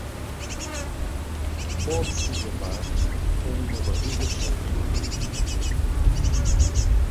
Pode se gabar com uma barriga cheia.